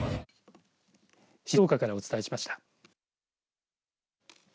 静岡からお伝えします。